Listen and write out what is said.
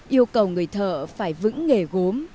yêu cầu người thợ phải vững nghề gốm